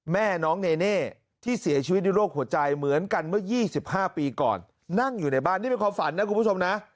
เมื่อ๒๕ปีก่อนนั่งอยู่ในบ้านนี่เป็นความฝันนะคุณผู้ชมนะ